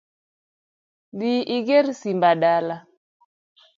Dhi iger simba dala